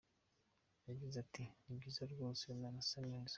Yagize ati “ Ni byiza rwose, rurasa neza.